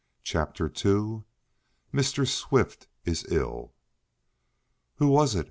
Chapter Two Mr. Swift is Ill "Who was it?"